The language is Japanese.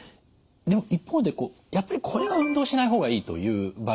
一方でやっぱりこれは運動しない方がいいという場合もあるんですか？